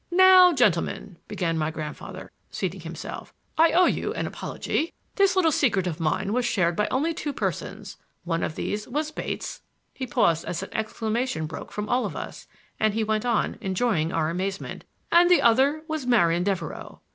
"Now, gentlemen," began my grandfather, seating himself, "I owe you an apology; this little secret of mine was shared by only two persons. One of these was Bates," —he paused as an exclamation broke from all of us; and he went on, enjoying our amazement,—"and the other was Marian Devereux.